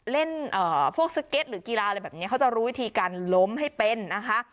เล่นพวกสเก็ตหรือกีฬาอะไรแบบนี้เขาจะรู้วิธีการล้มให้เป็นนะคะ